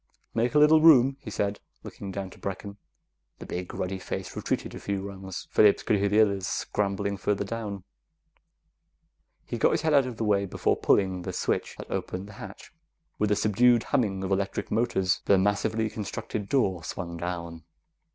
"Make a little room," he said, looking down to Brecken. The big, ruddy face retreated a few rungs. Phillips could hear the others scrambling further down. He got his head out of the way before pulling the switch that opened the hatch. With a subdued humming of electric motors, the massively constructed door swung down.